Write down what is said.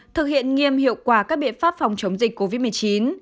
thực hiện nghiêm hiệu quả các biện pháp phòng chống dịch covid một mươi chín